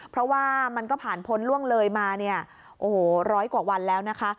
เพราะว่ามันก็ผ่านพ้นล่วงเลยมาเนี่ยโอ้โหร้อยกว่าวันแล้วนะคะ